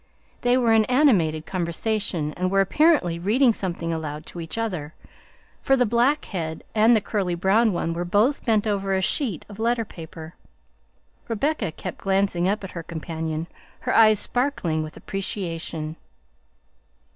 They were in animated conversation, and were apparently reading something aloud to each other, for the black head and the curly brown one were both bent over a sheet of letter paper. Rebecca kept glancing up at her companion, her eyes sparkling with appreciation.